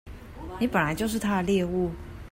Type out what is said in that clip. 你本來就是他的獵物